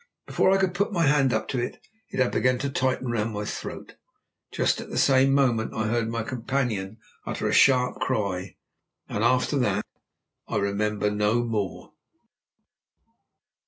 Before I could put my hand up to it it had begun to tighten round my throat. Just at the same moment I heard my companion utter a sharp cry, and after that I remember no more.